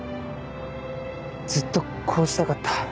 ずっとこうしたかった。